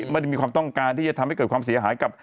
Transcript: ไม่ได้มีความต้องการที่จะทำให้เกิดความเสียหายกับ